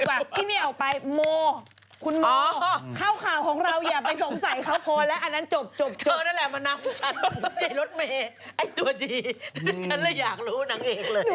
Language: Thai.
ไอ้ตัวดีฉันเลยอยากรู้นังเองเลย